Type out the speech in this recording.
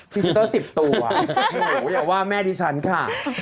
พิสเตอร์สิบตัวโอ้โฮอย่าว่าแม่ดิฉันค่ะ